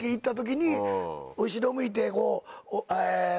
後ろ向いてこう。